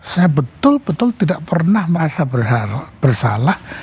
saya betul betul tidak pernah merasa bersalah